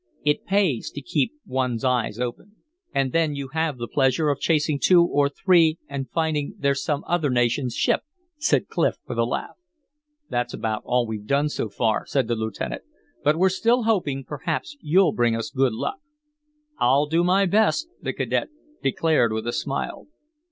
It pays to keep one's eyes open." "And then you have the pleasure of chasing two or three and finding they're some other nation's ships," said Clif, with a laugh. "That's about all we've done so far," said the lieutenant. "But we're still hoping perhaps you'll bring us good luck." "I'll do my best," the cadet declared with a smile.